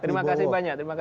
terima kasih banyak